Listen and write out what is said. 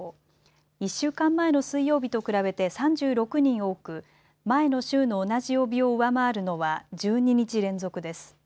１週間前の水曜日と比べて３６人多く、前の週の同じ曜日を上回るのは１２日連続です。